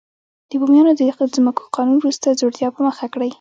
د بومیانو د ځمکو قانون وروسته ځوړتیا په مخه کړې.